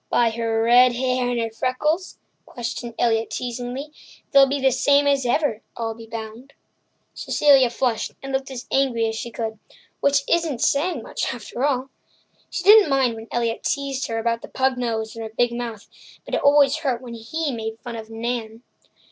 "By her red hair and her freckles?" questioned Elliott teasingly. "They'll be the same as ever, I'll be bound." Cecilia flushed and looked as angry as she could—which isn't saying much, after all. She didn't mind when Elliott teased her about her pug nose and her big mouth, but it always hurt her when he made fun of Nan.